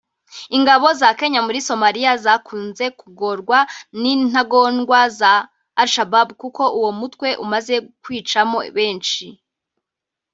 Ingabo za Kenya muri Somalia zakunze kugorwa n’intagondwa za Al Shabaab kuko uwo mutwe umaze kwicamo benshi